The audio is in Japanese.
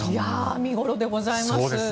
見頃でございます。